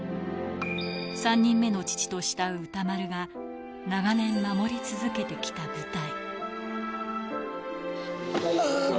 ３人目の父と慕う歌丸が、長年、守り続けてきた舞台。